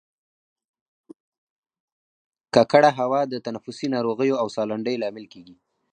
ککړه هوا د تنفسي ناروغیو او سالنډۍ لامل کیږي